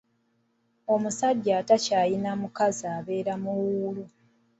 Omusajja atakyalina mukazi abeera muwuulu.